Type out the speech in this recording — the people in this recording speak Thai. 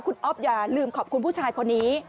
คุณอ๊อฟอย่าลืมขอบคุณผู้ชายคนนี้